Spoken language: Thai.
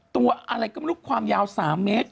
ตัวอะไรก็ไม่รู้ความยาว๓เมตร